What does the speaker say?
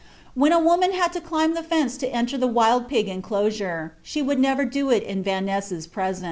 When a woman had to climb the fence to enter the wild pig enclosure, she would never do it in Vahness's presence.